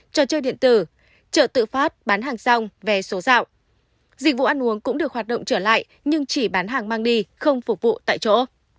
trò chơi điện tử chợ tự phát bán hàng xong vé số dạo dịch vụ ăn uống cũng được hoạt động trở lại nhưng chỉ bán hàng mang đi không phục vụ tại chỗ